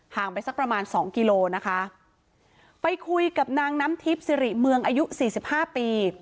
ไปสักประมาณสองกิโลนะคะไปคุยกับนางน้ำทิพย์สิริเมืองอายุสี่สิบห้าปี